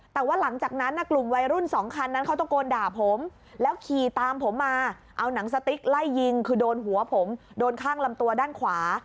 แต่ว่าหลังจากนั้นกลุ่มวัยรุ่นสองคันนั้นเขาตะโกนด่าผมแล้วขี่ตามผมมาเอาหนังสติ๊กไล่ยิงคือโดนหัวผมโดนข้างลำตัวด้านขวา